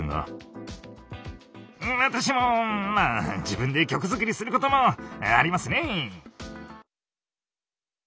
私もまあ自分で曲作りすることもありますね。